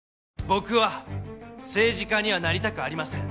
僕は政治家にはなりたくありません！